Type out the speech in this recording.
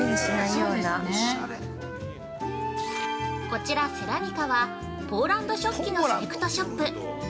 ◆こちらセラミカは、ポーランド食器のセレクトショップ。